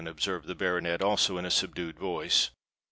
observed the baronet, also in a subdued voice.